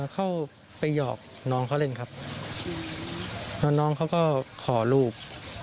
เข้าไปหยอกน้องเขาเล่นครับแล้วน้องเขาก็ขอลูก